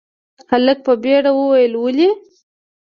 هلک په بيړه وويل، ولې؟